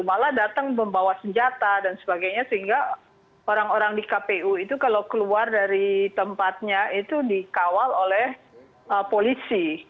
malah datang membawa senjata dan sebagainya sehingga orang orang di kpu itu kalau keluar dari tempatnya itu dikawal oleh polisi